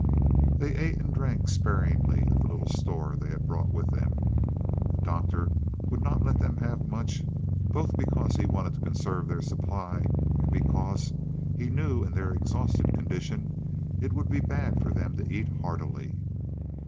They ate and drank sparingly of the little store they had brought with them. The Doctor would not let them have much, both because he wanted to conserve their supply, and because he knew in their exhausted condition it would be bad for them to eat heartily.